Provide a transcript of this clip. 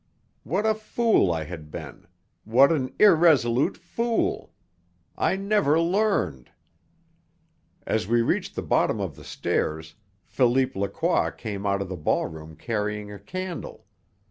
What a fool I had been! What an irresolute fool! I never learned. As we reached the bottom of the stairs Philippe Lacroix came out of the ballroom carrying a candle.